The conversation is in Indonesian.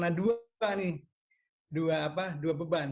saya kena dua beban